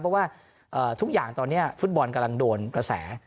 เพราะว่าทุกอย่างตอนนี้ฟุตบอลกำลังโดนกระแส